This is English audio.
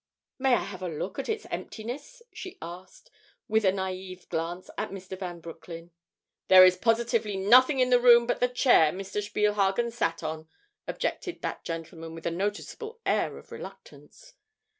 "May I have a look at its emptiness?" she asked, with a naive glance at Mr. Van Broecklyn. "There is positively nothing in the room but the chair Mr. Spielhagen sat on," objected that gentleman with a noticeable air of reluctance.